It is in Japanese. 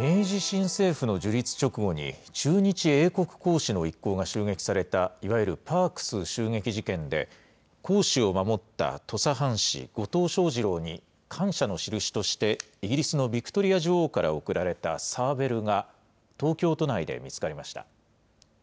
明治新政府の樹立直後に、駐日英国公使の一行が襲撃された、いわゆるパークス襲撃事件で、公使を守った土佐藩士、後藤象二郎に感謝のしるしとして、イギリスのビクトリア女王から贈られたサーベルが、東京都内で見つかりました。